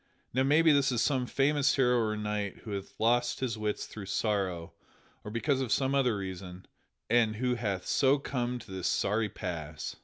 Now maybe this is some famous hero or knight who hath lost his wits through sorrow or because of some other reason, and who hath so come to this sorry pass."